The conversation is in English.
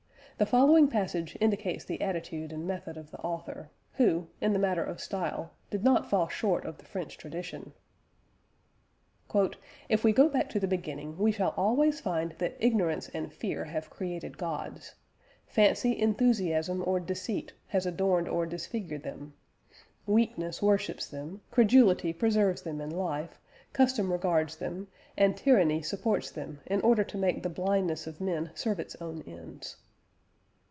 The following passage indicates the attitude and method of the author, who, in the matter of style, did not fall short of the French tradition: "If we go back to the beginning, we shall always find that ignorance and fear have created gods; fancy, enthusiasm or deceit has adorned or disfigured them; weakness worships them; credulity preserves them in life; custom regards them, and tyranny supports them in order to make the blindness of men serve its own ends."